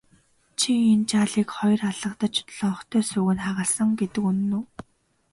Чи энэ жаалыг хоёр алгадаж лонхтой сүүг нь хагалсан гэдэг үнэн үү?